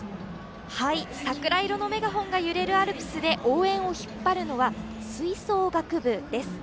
桜色のメガホンが揺れるアルプスで応援を引っ張るのは吹奏楽部です。